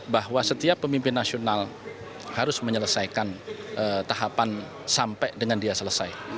bahwa setiap pemimpin nasional harus menyelesaikan tahapan sampai dengan dia selesai